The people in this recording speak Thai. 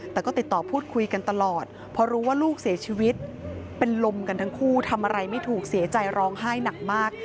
แต่ก็ติดต่อพูดคุยกันตลอดพอรู้ว่าลูกเสียชีวิตเป็นลมกันทั้งคู่ทำอะไรไม่ถูกเสียใจร้องไห้หนักมาก